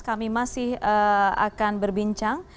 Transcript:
kami masih akan berbincang